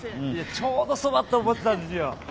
ちょうどそばって思ってたんですよ。